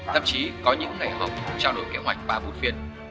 thậm chí có những ngày họp trao đổi kế hoạch và bút phiền